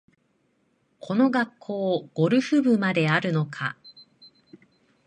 この学校、ゴルフ部まであるのかあ